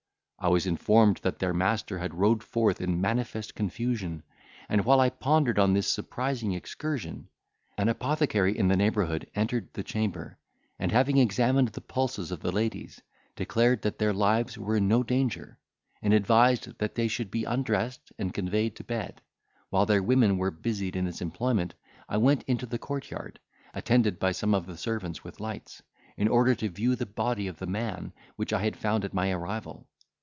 I was informed that their master had rode forth in manifest confusion; and while I pondered on this surprising excursion, an apothecary in the neighbourhood entered the chamber, and having examined the pulses of the ladies, declared that their lives were in no danger, and advised that they should be undressed, and conveyed to bed. While their women were busied in this employment, I went into the court yard, attended by some of the servants with lights, in order to view the body of the man which I had found at my arrival.